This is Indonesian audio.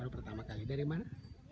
baru pertama kali dari mana